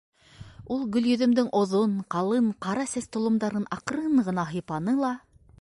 Ул Гөлйөҙөмдөң оҙон, ҡалын ҡара сәс толомдарын аҡрын ғына һыйпаны ла: